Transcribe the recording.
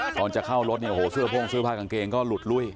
ตอนจะเข้ารถซื้อโทรงซื้อผ้ากางเกงก็หลุดล่วย